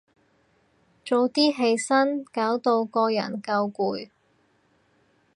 早啲起身，搞到個人夠攰